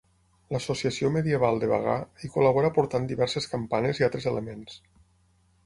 L'Associació Medieval de Bagà hi col·labora aportant diverses campanes i altres elements.